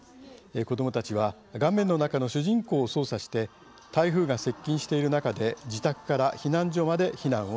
子どもたちは画面の中の主人公を操作して台風が接近している中で自宅から避難所まで避難をします。